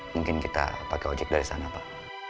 mungkin kita pakai ojek dari sana pak